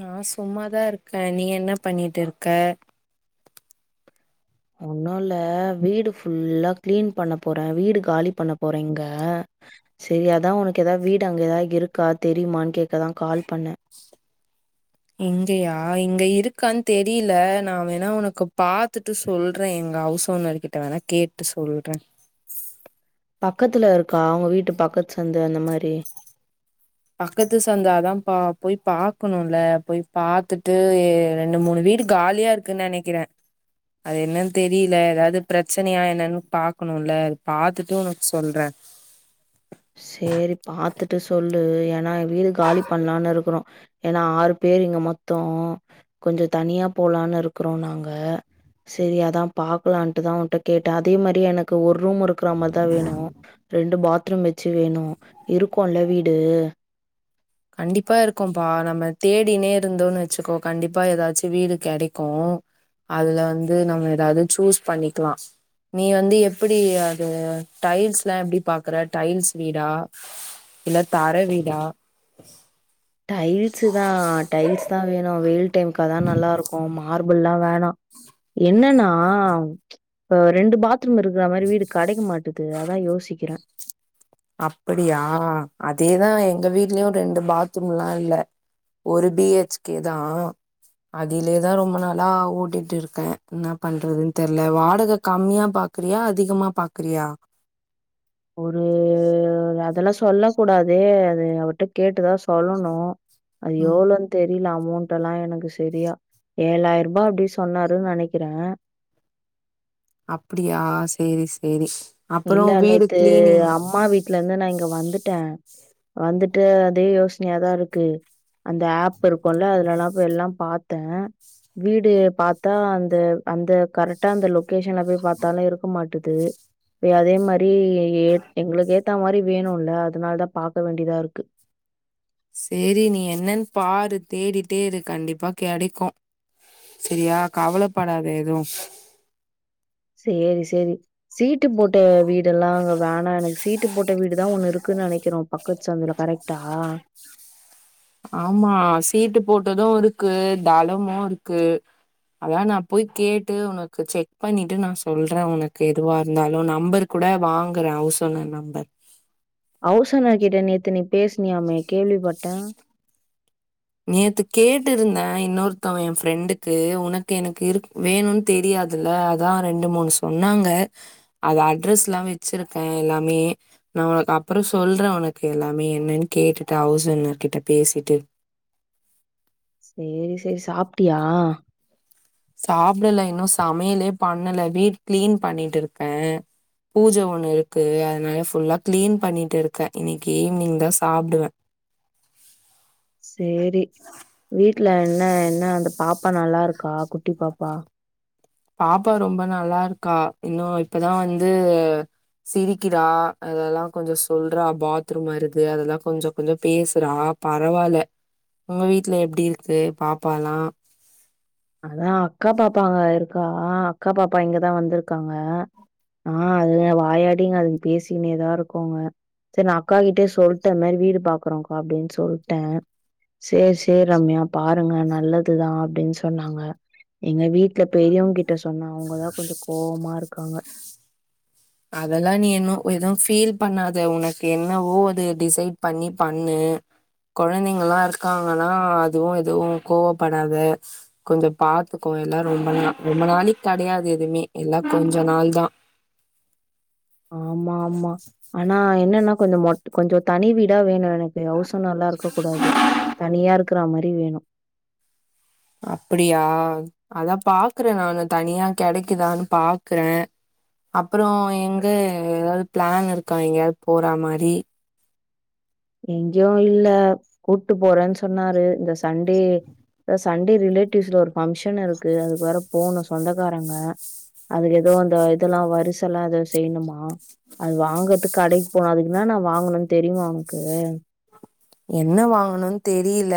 நா சும்மாதா இருக்க நீ என்ன பண்ணிட்டு இருக்க ஒன்னுல்ல வீடு ஃபுல்லா க்ளீன் பண்ண போற வீடு காலி பண்ண போற இங்க சேரி அதா உனக்கு எதா வீடு அங்க எதா இருக்கா தெரியுமான் கேக்கதா கால் பண்ண இங்கயா இங்க இருக்கான் தெரில நா வேணா உனக்கு பாத் த்துட்டு சொல்ற எங்க அவுஸ் ஓனர்கிட்ட வேணா கேட்டு சொல்ற பக்கத்துல இருக்கா உங்க வீட்டு பக்கத்து சந்து அந்த மாரி பக்கத்து சந்தா அதா பா போய் பாக்கணுல்ல போய் பாத்துட்டு ரெண்டு மூணு வீடு காலியா இரு க்குன் நெனக்கிற அது என்னன் தெரியில எதாவது பிரச்சனையா என்னன்னு பாக்கணுல்ல அது பாத்துட்டு உனக் சொல்ற சேரி பாத்துட்டு சொல்லு ஏனா வீடு காலி பண்லான் இருக்குறோ ஏனா ஆறு பேர் இங்க மொத்தோ கொஞ்சோ தனியா போலான் இருக்குறோ நாங்க சேரி அதா பாக்கலான்ட்டு தா உன்ட்ட கேட்ட அதே மாரி எனக்கு ஒர் ரூம் இருக்குற மாரி தா வேணு ரெண்டு பாத்ரூம் வச்சி வேணு இருக்குல்ல வீடு கண்டிப்பா இருக்கும்ப்பா நம்ம தேடினே இருந்தோன்னு வச்சிக்கோ கண்டிப்பா ஏதாச்சு வீடு கெடைக்கு அதுல வந்து நம்ம எதாவது சூஸ் பண்ணிக்குலா நீ வந்து எப்டி அது டைல்ஸ் லா எப்டி பாக்குற டைல்ஸ் வீடா இல்ல தர வீடா டைல்ஸு தா டைல்ஸ் தா வேணோ வெயில் டைம்க்கு அதா நல்லாருக்கோ மார் பிள்லா வேணா என்னன்னா இப்ப ரெண்டு பாத்ரூம் இருக்குற மாரி வீடுக் கடைக்கமாட்டுது அதா யோசிக்குற அப்படியா அதேதா எங்க வீட்லயு ரெண்டு பாத்ரூம் லா இல்ல ஒரு பி ஹெச் கே தா அதிலேதா ரொம்ப நாளா ஓட்டிட்டு இருக்க என்னா பண்றதுனு தெர்ல வாடக கம்மியா பாக் றியா அதிகமா பாக்குறியா ஒரு அதெல்லா சொல்ல கூடாதே அது அவர்ட்ட கேட்டுதா சொல்லணோ அது ம். எவ்ளோ தெரீல அமோண்ட்டு லா எனக்கு செரியா ஏழாயிருபா அப்டி சொன்னாருன் நெனைக்குறே அப்புடியா சேரி சேரி அப்புறோ இல்ல வீடு நேத்து கிளீனிங் அம்மா வீட் வீட்லந்து நா இங்க வந்துட்ட வந்துட்டு அதே யோசனயாதா இருக்கு அந்த ஆப் இருக்கோல அதுலலா போய் எல்லா பாத்தே வீடு பாத்தா அந்த அந்த கரட்டா அந்த லொக்கேஷன்ல போய் பாத்தாலோ இருக்க மாட்டேது து அதே மாரி ஏ எங்குளுக்கு ஏத்த மாரி வேணோல்ல அதனால தா பாக்க வேண்டிதா இருக்கு சேரி நீ என்னன் பாரு தேடிட்டே இரு கண்டிப்பா கெடைக்கோ செரியா கவலப்படாத எதுவு சேரி சேரி சீட்டு போட்ட வீடுலா அங்க வேணா எனக்கு சீ சீட்டு போட்ட வீடுதா ஒண்ணு இருக்குன் நெனைக்கிறோ பக்கத்து சந்துல கரக்ட்டா ஆமா சீட்டு போட்டதோ இருக்கு தளமோ இருக்கு அதா நா போய் கேட்டு உனக்கு செக் பண்ணிட்டு நா சொல்றே உனக்கு எதுவா இருந்தாலு நம்பரு கூட வாங்குற அவுஸ்ஓனர் நம்பர் அவுஸோனர்க் கிட்ட நேத்து நீ பேசினியாமே கேள்விப்பட்டே நேத்துக் கேட்டு இருந்தே இன்னொருத்தவ எ ஃப்ரெண்டுக்கு உனக்கு எனக்கு இருக் வேணுன் தெரியாதுல அதா ரெண்டு மூணு சொன்னாங்க அது அட்ரஸ்லா வெச்சிருக்க எல்லாமே நா ஒனக்கு அப்புறோ சொல்ற ஒனக்கு எல்லாமே என்னன்னு கேட்டுட்டு ஹவுஸ் ஓனர் கிட்ட பேசிட்டு சேரி சேரி சாப்ட்டியா சாப்புடல இன்னோ சமையலே பண்ணல வீடு கிளீன் பண்ணிட்டுருக்க பூஜ ஒண்ணு இருக்கு அதனால ஃபுல்லா கிளீன் பண்ணிட்டு இருக்க இன்னிக்கு ஈவினிங் தா சாப்டுவ சேரி வீட்ல என்ன என்ன அந்த பாப்பா நல்லா இருக்கா குட்டி பாப்பா பாப்பா ரொம்ப நல்லா இருக்கா இன்னோ இப்பதா வந்து சிரிக்கிறா அதெல்லா கொஞ்சோ சொல்றா பாத்ரூம் வருது அதெல்லா கொஞ்சோ கொஞ்சோ பேசுறா பரவால உங்க வீட்ல எப்டி இருக்கு பாப்பாலா அதா அக்கா பாப்பா அங்க இருக்கா அக்கா பாப்பா இங்கதா வந்துருக்காங்க ஆ அதுதா வாயாடிங்க அதுங்க பேசினேதா இருக்கோங்க செரி நா அக்கா கிட்டயே சொல்ட்ட இந்த மேரி வீடு பாக்குறோக்கா அப்டீனு சொல்ட்ட சேரி சேரி ரம்யா பாருங்க நல்லதுதா அப்டீன் சொன்னாங்க எங்க வீட்ல பெரியவுங்க கிட்ட சொன்ன அவுங்கதா கொஞ்சோ கோவமா இருக்காங்க அதெல்லா நீ இன்னோ எதுவு ஃபீல் பண்ணாத உனக்கு என்னவோ அது டிசைட் பண்ணி பண்ணு கொழந்தைங்கலா இருக்காங்கனா அதுவு எதுவு கோவப்படாத கொஞ்சோ பாத்துக்கோ எல்லாம் ரொம்ப நா ரொம்ப நாளைக் கெடையாது எதுவுமே எல்லாம் கொஞ்ச நாள் தான் ஆமா ஆமா ஆனா என்னன்னா கொஞ்சோ மொட் கொஞ்சோ தனி வீடா வேணும் எனக் எனக்கு ஹவுஸ் ஓனர்லா இருக்க கூடாது தனியா இருக்கிற மாரி வேணும் அப்படியா அதான் பாக்குறேன் நானு தனியா கெடைக்கிதான்னு பாக்குறேன் அப்புறோ எங்க ஏதாவது பிளான் இருக்கா எங்கேயாவது போற மாரி எங்கேயும் இல்ல கூட்டு போறேன்னு சொன்னாரு இந்த சண்டே இந்த சண்டே ரிலேட்டிவ்ஸ்ல ஒரு ஃபங்க்ஷன் இருக்கு அதுக்கு வேற போணும் சொந்தக்காரங்க அதுல ஏதோ அந்த இதெல்லாம் வரிச எல்லாம் ஏதோ செய்ணுமா அது வாங்கறதுக்கு கடைக்கு போகணும் அதுக்கு என்னான்னா வாங்கணும்னு தெரியுமா ஒனக்கு என்ன வாங்கணுன்னு தெரில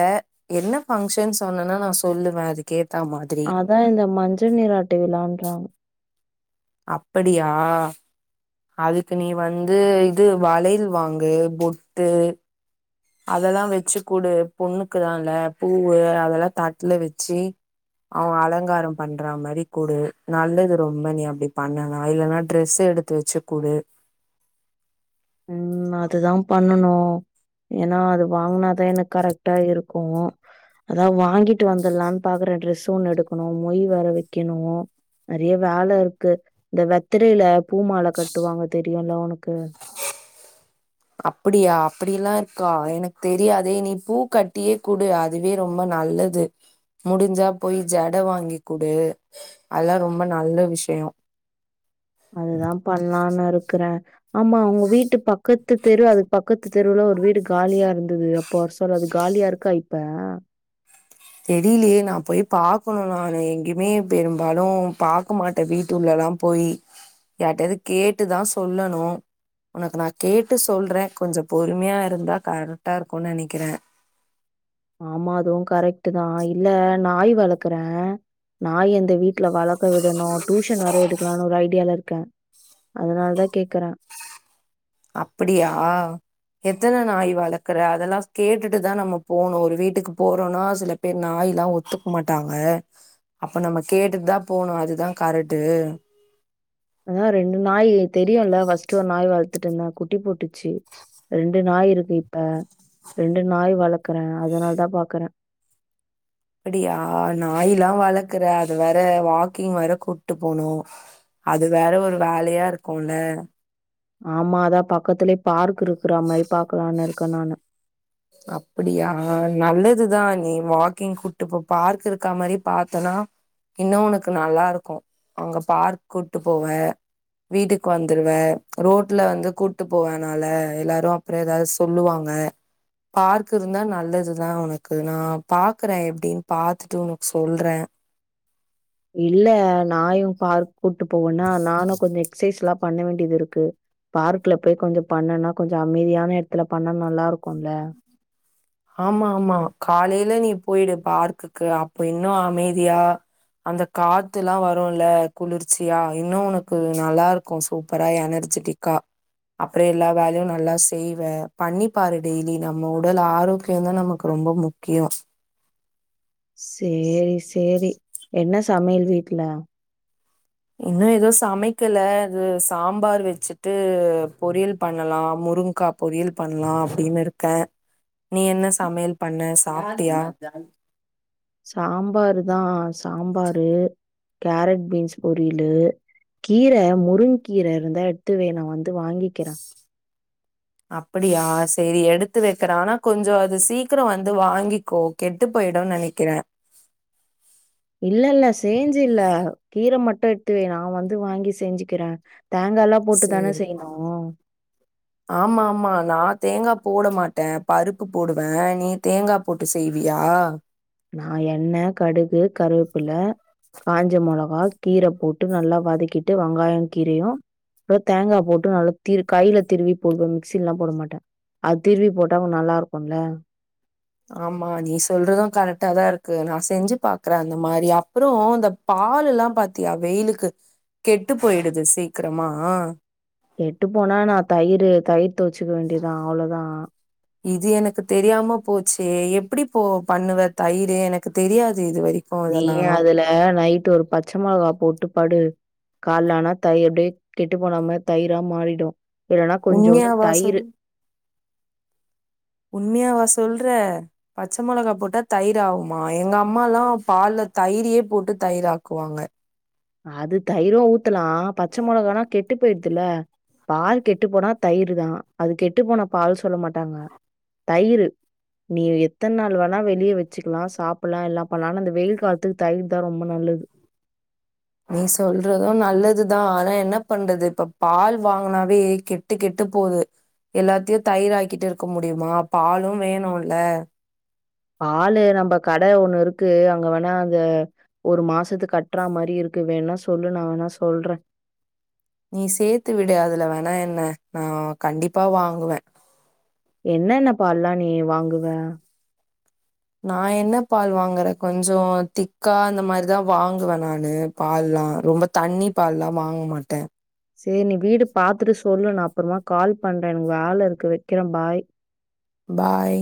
என்ன ஃபங்க்ஷன் சொன்னனா நான் சொல்லுவேன் அதுக்கு ஏத்த மாதிரி அதான் இந்த மஞ்சள் நீராட்டு விழான்றாங்க அப்படியா அதுக்கு நீ வந்து இது வளையல் வாங்கு பொட்டு அதெல்லாம் வெச்சு குடு பொண்ணுக்குதான் இல்ல பூவு அதெல்லாம் தட்டுல வெச்சி அவன் அலங்காரம் பண்றா மாரி குடு நல்லது ரொம்ப நீ அப்டி பண்ணலாம் இல்லன்னா ட்ரெஸ் எடுத் தோச்சி குடு நா அதுதான் பண்ணனும் ஏன்னா அது வாங்கனா தான் எனக்கு கரெக்டா இருக்கும் அதா வாங்கிட்டு வந்துடலான்னு பாக்குற டிரெஸ்சு ஒண்ணு எடுக்கணும் மொய் வேற வெக்கணும் நறைய வேல இருக்கு இந்த வெத்தரையில பூ மால கட்டுவாங்க தெரியும்ல உனக்கு அப்டியா அப்டிலாம் இருக்கா எனக்கு தெரியாதே நீ பூ கட்டியே குடு அ இதுவே ரொம்ப நல்லது முடிஞ்சா போய் ஜட வாங்கிக்குடு அதெல்லாம் ரொம்ப நல்ல விஷயோம் அதுதான் பண்ணலாம்னு இருக்கறேன் ஆமா உங்க வீட்டு பக்கத்து தெரு அதுக்கு பக்கத்து தெருவுல ஒரு வீடு காலியா இருந்தது அப் போ சொல்றது காலியா இருக்கா இப்ப தெரிலியே நா போய் பாக்கணும் நானு எங்கயுமே பெரும்பாலும் பாக் க மாட்டேன் வீட்டுள்ளல்லாம் போய் யார்டயாவது கேட்டுதான் சொல்லணும் உனக்கு நா கேட்டு சொல்றேன் கொஞ்சோ பொறுமையா இருந்தா கரெக்டா இருக்கும் நெனைக்கிறேன் ஆமா அதுவும் கரெக்ட்டு தான் இல்ல நாய் வளர்க்குறேன் நாய் அந்த வீட் ட்ல வளர்க்க விடணும் டியூஷன் வேற எடுக்கலாம்னு ஒரு ஐடியால இருக்கேன் அதனால தான் கேக்குறேன் அப்படியா எத்தன நாய் வளர்க்குற அதெல்லாம் கேட்டுட்டுதான் நம்ம போணும் ஒரு வீட்டுக்கு போறோம்னா சில பேரு நாய்ல்லாம் ஒத்துக்க மாட்டாங்க அப்ப நம்ம கேட்டுட்டு தான் போணும் அதுதான் கரெக்ட்டு அதான் ரெண்டு நாய் தெரியுல ஃபஸ்ட் ஒரு நாய் வளர்த்துட்டு இருந்தன் குட்டி போட்டுச்சு ரெண்டு நாய் இருக்கு இப்ப ரெண்டு நாய் வளர்க்குறேன் அதனால தான் பாக்குறேன் அப்டியா நாய்ல்லா வளர்க்கற அது வேற வாக்கிங் வேற கூட்டு போனும் அது வேற ஒரு வேலையா இருக்கும்ல ஆமா அதான் பக்கத்துலேயே பார்க் இருக்குறா மாரி பாக்கலாம்னு இருக்கேன் நானு அப்படியா அ அ அ நல்லதுதான் நீ வாக்கிங் கூட்டுப்போ பார்க் இருக்கா மாரி பாத்தனா இன்னும் உனக்கு நல்லா இருக்கும் அங்க பார்க் கூட்டு போவ வீட்டுக்கு வந்துடுவ ரோட்ல வந்து கூட்டு போவேனால எல்லாரும் அப்புற ஏதாவது சொல்லுவாங்க பார்க்கு இருந்தா நல்லதுதான் உனக்கு நான் பாக்குறேன் எப்டின் பாத்துட்டு உனக்கு சொல்றேன் இல்ல நாயும் பார்க் கூட்டு போவோன்னா நானும் கொஞ்சோ எக்சைஸ் எல்லாம் பண்ண வேண்டியது இருக்கு பார்க்ல போய் கொஞ்சோ பண்ணனா கொஞ்சோ அமைதியான இடத்துல பண்ணா நல்லா இருக்கும்ல ஆமா ஆமா காலையில நீ போயிடு பார்க்குக்கு அப்ப இன்னு அமைதியா அந்த காத்துல்லா வரும்ல குளிர்ச்சியா இன்னு உனக்கு நல்லாருக்கு சூப்பராக எனர்ஜட்டிக் க அப்புற எல்லா வேலையு நல்லா செய்வே பண்ணிப் பாரு டெய்லி நம்ம உடல் ஆரோக் கியந்தா நமக்கு ரொம்ப முக்கியோ சேரி சேரி என்ன சமையல் வீட்ல இன்னும் எது சமைக்கல இது சாம்பார் வச்சுட்டு பொரியல் பண்ணலா முருங்க்கா பொரியல் பண்லா அப்படின்னு இருக்க நீ என்ன சமையல் பண்ண சாப்ட்டியா சாம்பரு தா சாம்பாரு கேரட் பீன்ஸ் பொரியலு கீர முருங்கீர இருந்தா எடுத்து வை நா வந்து வாங்கிக்கிற அப்படியா சேரி எடுத்து வக்கற ஆனா கொஞ்ச அது சீக்கிர வந்து வாங்கிக்கோ கெட்டு போயிடுனு நெனைக்கிற இல்ல இல்ல சேஞ்சு இல்ல கீர மட்டு எடுத்து வை நா வந்து வாங்கி செஞ்சுக்கிற தேங்கால்லா சேரி ஆமாமா நா தேங்கா போட மாட்ட பருப்பு போடுவ நீ தேங்கா போட்டு செய்வியா நா எண்ண கடுகு கருவேப்புல காஞ்ச மொளகா கீர போட்டு நல்லா வதக்கிட்டு வெங்காய கீரையு ளோ தேங்கா போட்டு நல்லா திரு கையில திருவி போடுவ மிக்ஸிலல்லா போட மாட்ட அது திருவி போட்டா கொன் நல்லா இருக்குல்ல ஆமா நீ சொல்றது கரெக்டாதா இருக்கு நா செஞ்சு பாக்கற அந்த மாரி அப்புறோ இந்த பாலுல்லா பாத்தியா வெயிலுக்கு கெட்டுப் போயிடுது சீக்கிரமா கெட்டுப் போனா என்னா தயிரு தயிர் துவச்சுக்க வேண்டியதா அவ்வளோதா இது எனக்கு தெரியாம போச்சு எப்படி போ பண்ணுவ தயிரு எனக்கு தெரியாது இதுவரிக் நீ அதுல நைட்டு ஒரு பச்ச மொளகா போட்டு படு கால்ல ஆனா தயி அப்டியே கெட்டு போனாம தயிரா மாறிடு இல்ன்னா கொஞ்சோன்டு உண்மையாவா சொல்? தயிரு உண்மையாவா சொல்ற பச்ச மொளகா தயிர் ஆகுமா எங்கம்மால்லா பால்ல தயிரையே போட்டு தயிர் ஆக்குவாங்க அது தயிரு ஊத்தலா பச்ச மொளகானா கெட்டுப் போயிடுதுல பால் கெட்டுப் போனா தயிருதா அது கெட்டுப் போன பால் சொல்ல மாட்டாங்க தயிரு நீ எத்தன் நாள் வேணா வெளியே வச்சுக்கலா சாப்புட்லா எல்லா பண்லா ஆனா அந்த வெயில் காலத்துக்கு தயிர்தா ரொம்ப நல்லது நீ சொல்றதும் நல்லதுதா ஆனா என்ன பண்றது இப்ப பால் வாங்குனாவே கெட்டு கெட்டு போது எல்லாத்தையு தயிர் ஆக்கிட்டு இருக்க முடியுமா பாலும் வேணுல்ல ஆளு நம்ப கட ஒன்னு இருக்கு அங்க வேணா அந்த ஒரு மாசத்துக்கு கட்றா மாரி இருக்கு வேணா சொல்லு நா வேணா சொல்ற நீ சேத்து விடு அதுல வேணா என்ன நா கண்டிப்பா வாங்குவ என்னன்ன பால்லா நீ வாங்குவ நா என்ன பால் வாங்கற கொஞ்சோ திக்கா அந்த மாரிதா வாங்குவே நானு பால்லா ரொம்ப தண்ணி பால்லா வாங்க மாட்ட சேரி நீ வீடு பாத்துட்டு சொல்லு நா அப்றமா கால் பண்ற எனக்கு வேல இருக்கு வக்கிற பாய் பாய்